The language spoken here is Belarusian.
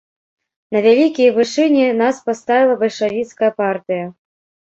На вялікія вышыні нас паставіла бальшавіцкая партыя.